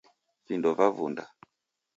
Vindo vavunda